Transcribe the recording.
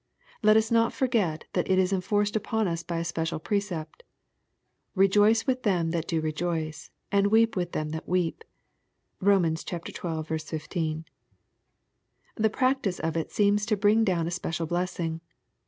Let us not forget that it is enforced upon us by a special precept :" Eejoice with them that do rejoice, and weep with them that weep." (Bom. xii. 15,) The practice of it seems to bring down a special blessing.